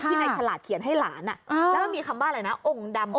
ค่ะที่นายฉลาดเขียนให้หลานอ่ะอ้าวแล้วมีคำบ้าอะไรน่ะองค์ดำ